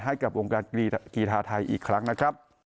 ให้กับวงการกีธาไทยอีกครั้งนะครับ